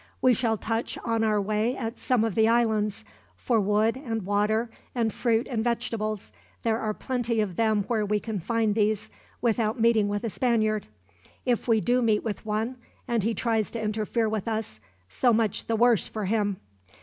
"We shall touch on our way at some of the islands, for wood and water and fruit and vegetables. There are plenty of them where we can find these, without meeting with a Spaniard. If we do meet with one, and he tries to interfere with us, so much the worse for him.